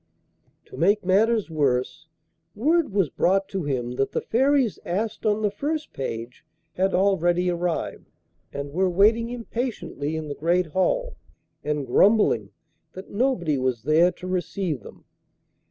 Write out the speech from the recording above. To make matters worse, word was brought to him that the Fairies asked on the first page had already arrived and were waiting impatiently in the Great Hall, and grumbling that nobody was there to receive them.